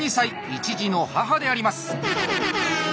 １児の母であります。